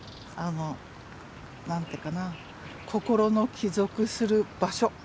何て言うかな心の帰属する場所